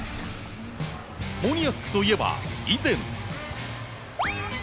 モニアックといえば、以前。